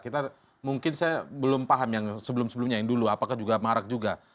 kita mungkin saya belum paham yang sebelum sebelumnya yang dulu apakah juga marak juga